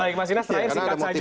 baik mas inas terakhir singkat saja